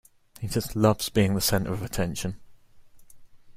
He just loves being the center of attention.